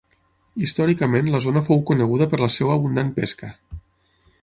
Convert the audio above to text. Històricament la zona fou coneguda per la seva abundant pesca.